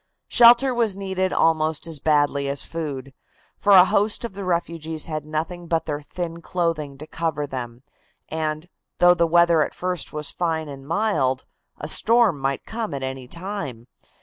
Shelter was needed almost as badly as food, for a host of the refugees had nothing but their thin clothing to cover them, and, though the weather at first was fine and mild, a storm might come at any time.